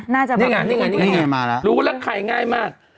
นี่ไงรู้แล้วใครง่ายมาก